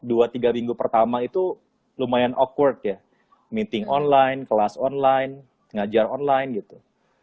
dua tiga minggu pertama itu lumayan awkward ya meeting online kelas online ngajar online gitu